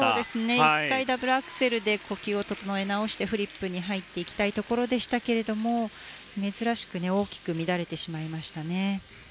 １回、ダブルアクセルで呼吸を整え直してフリップに入っていきたいところでしたが珍しく大きく乱れてしまいましたね。